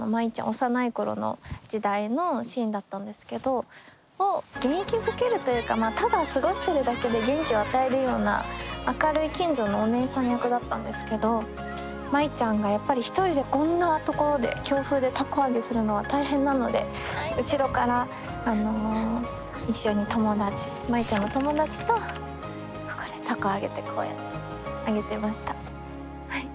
幼い頃の時代のシーンだったんですけど元気づけるというかただ過ごしてるだけで元気を与えるような明るい近所のおねえさん役だったんですけど舞ちゃんがやっぱり一人でこんな所で強風で凧揚げするのは大変なので後ろから一緒に舞ちゃんの友達とここで凧揚げてこうやって揚げてました。